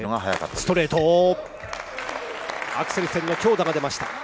ストレート、アクセルセンの強打が出ました。